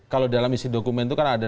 kalau dalam isi dokumen itu kan ada